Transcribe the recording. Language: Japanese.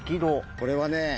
これはね